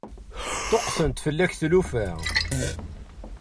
Ṭṭuqqtent fell-ak tlufa.